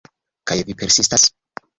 Kaj vi persistas?